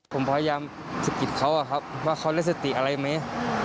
ผมพยายามสะกิดเขาอะครับว่าเขาได้สติอะไรไหม